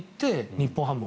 日本ハムを。